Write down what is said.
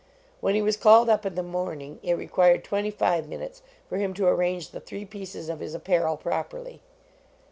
When he was called up in the morning, it required twenty five minutes for him to arrange the three pieces of his apparel properly.